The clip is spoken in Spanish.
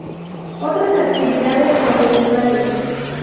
Otras actividades profesionales.